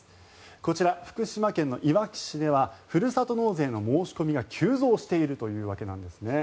こちら、福島県のいわき市ではふるさと納税の申し込みが急増しているというわけなんですね。